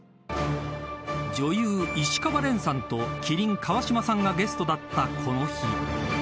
［女優石川恋さんと麒麟川島さんがゲストだったこの日］